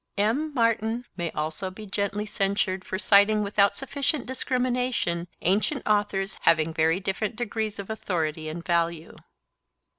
M. Martin may also be gently censured for citing without sufficient discrimination ancient authors having very different degrees of authority and value.